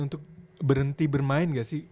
untuk berhenti bermain gak sih